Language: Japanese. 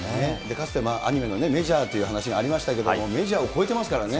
かつてアニメのメジャーという話がありましたけども、メジャーを超えてますからね。